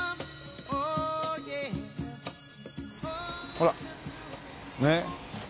ほらねっ。